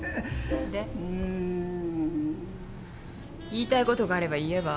言いたいことがあれば言えば？